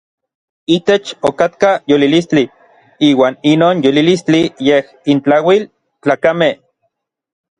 Itech okatka yolilistli, iuan inon yolilistli yej intlauil n tlakamej.